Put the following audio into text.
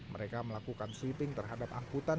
mereka melakukan sweeping terhadap angkutan